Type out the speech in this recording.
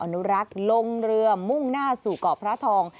อนุรักษ์ลงเรือมุ่งหน้าสู่เกาะพระทอง